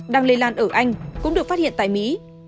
đang lây lan ở anh cũng được phát hiện tại mỹ